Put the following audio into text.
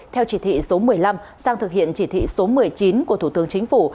theo chỉ thị số một mươi năm sang thực hiện chỉ thị số một mươi chín của thủ tướng chính phủ